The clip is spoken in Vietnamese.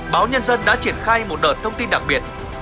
báo nhân dân đã triển khai một đợt thông tin đặc biệt